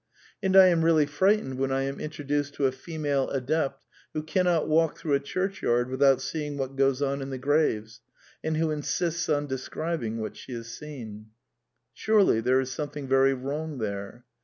And I am really fright ened when I am introduced to a female ^^ adept " who can not walk through a churchyard without seeing what goes on in the graves, and who insists on describing what she has seen. Surely there is something very wrong there